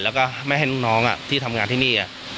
แล้วก็ไม่ให้ลูกน้องที่ทำงานที่นี่